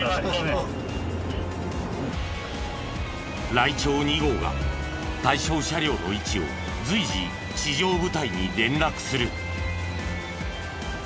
らいちょうⅡ号が対象車両の位置を随時地上部隊に連絡する。